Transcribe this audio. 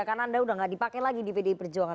karena anda udah gak dipakai lagi di pdp perjuangan